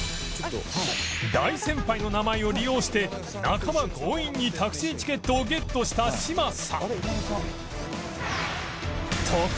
大先輩の名前を利用して半ば強引にタクシーチケットをゲットした嶋佐